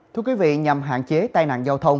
thưa quý vị nhằm hạn chế tai nạn dịch